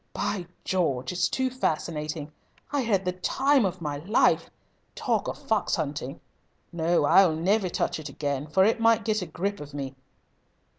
By George! it's too fascinating. I had the time of my life! Talk of fox hunting! No, I'll never touch it again, for it might get a grip of me."